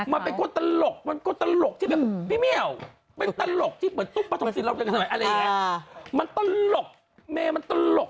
มันเป็นคนตลกมันคนตลก